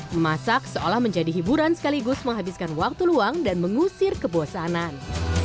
memasak seolah menjadi hiburan sekaligus menghabiskan waktu luang dan mengusir kebosanan